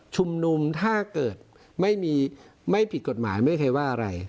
ชุมนุมถ้าเกิดไม่มีไม่ผิดกฎหมายไม่มีใครว่าอะไร